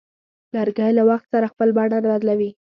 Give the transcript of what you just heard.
لرګی له وخت سره خپل بڼه بدلوي.